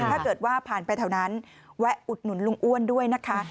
ถ้าเกิดว่าผ่านไปแถวนั้นแวะอุดหนุนลุงอ้วนด้วยนะคะ